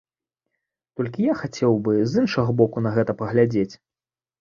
Толькі я хацеў бы з іншага боку на гэта паглядзець.